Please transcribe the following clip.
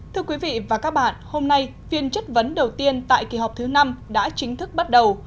thưa quý vị và các bạn hôm nay phiên chất vấn đầu tiên tại kỳ họp thứ năm đã chính thức bắt đầu